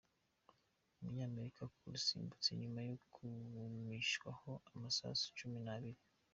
Umunyamerika yarusimbutse nyuma yo kumishwaho amasasu cumi nabiri